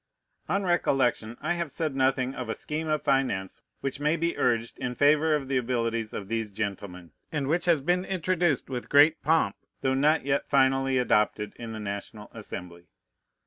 On recollection, I have said nothing of a scheme of finance which may be urged in favor of the abilities of these gentlemen, and which has been introduced with great pomp, though not yet finally adopted in the National Assembly.